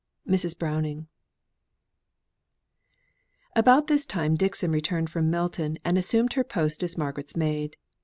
MRS. BROWNING. About this time Dixon returned from Milton, and assumed her post as Margaret's maid.